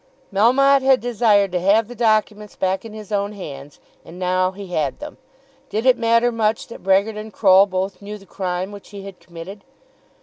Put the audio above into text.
Melmotte had desired to have the documents back in his own hands, and now he had them. Did it matter much that Brehgert and Croll both knew the crime which he had committed?